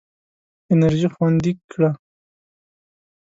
انرژي خوندي کړه.